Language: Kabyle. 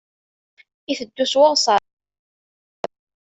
Iteddu s weɣṣab.